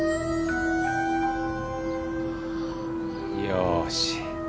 よし。